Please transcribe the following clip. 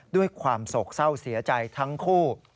ด้วยความโศกเศร้าเสียใจทั้งคู่